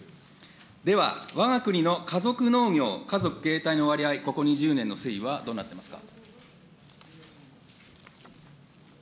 では、わが国の家族農業、家族経営体の割合、ここ２０年の推移はどうなってますか。